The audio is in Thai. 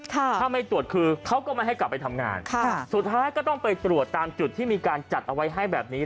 ถ้าไม่ตรวจคือเขาก็ไม่ให้กลับไปทำงานค่ะสุดท้ายก็ต้องไปตรวจตามจุดที่มีการจัดเอาไว้ให้แบบนี้